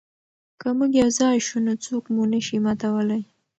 که موږ یو ځای شو نو څوک مو نه شي ماتولی.